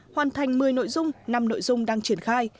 hoàn thành một mươi nội dung năm nội dung đang triển khai